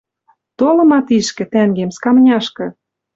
Толыма тишкӹ, тӓнгем, скамняшкы